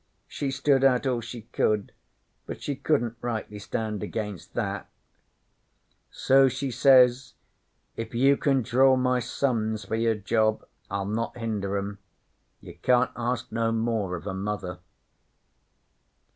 She stood out all she could, but she couldn't rightly stand against that. So she says: "If you can draw my sons for your job, I'll not hinder 'em. You can't ask no more of a Mother."